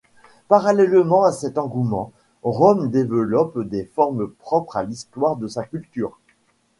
Parallèlement à cet engouement, Rome développe des formes propres à l'histoire de sa culture.